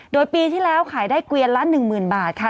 โดยปีที่แล้วขายได้เกวียนละ๑๐๐๐บาทค่ะ